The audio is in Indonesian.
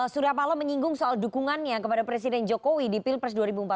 surya paloh menyinggung soal dukungannya kepada presiden jokowi di pilpres dua ribu empat belas